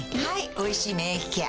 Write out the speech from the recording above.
「おいしい免疫ケア」